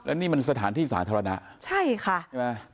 นี่มันสถานที่สาธารณะใช่ค่ะใช่ไหม